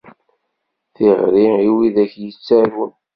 Tiɣri i wid akk yettarun.